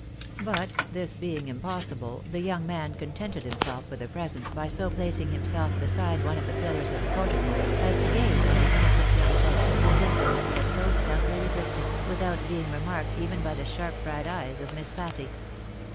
But this being impossible, the young man contented himself for the present by so placing, himself beside one of the pillars of the portico, as to gaze on the innocent young face, whose influence he had so stoutly resisted, without being remarked even by the sharp bright eyes of Miss Patty.